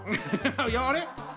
あれ？